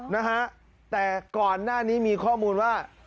นะฮะแต่ก่อนหน้านี้มีข้อมูลว่า